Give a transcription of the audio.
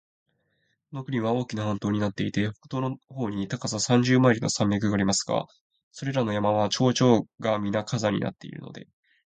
この国は大きな半島になっていて、北東の方に高さ三十マイルの山脈がありますが、それらの山は頂上がみな火山になっているので、